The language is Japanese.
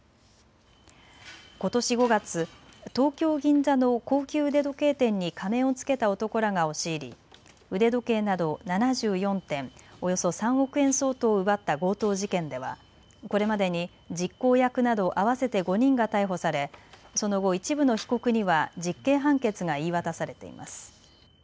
ことし５月、東京銀座の高級腕時計店に仮面を着けた男らが押し入り腕時計など７４点、およそ３億円相当を奪った強盗事件ではこれまでに実行役など合わせて５人が逮捕され、その後、一部の被告には実刑判決が言い渡されています。